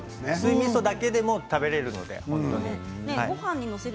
みそだけでも食べられるので。